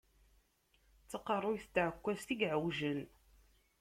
D taqerruyt n tɛekkwazt i yeɛewjen.